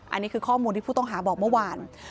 อันนี้คือข้อมูลที่ผู้ต้องหาบอกเมื่อวาน